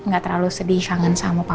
gak terlalu sedih kangen sama pak wadudnya ya